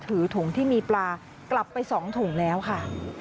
ถือถุงที่มีปลากลับไป๒ถุงแล้วค่ะ